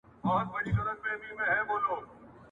د بل جنگ لوى اختر دئ.